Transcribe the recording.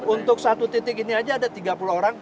untuk satu titik ini saja ada tiga puluh orang